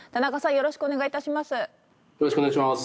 よろしくお願いします。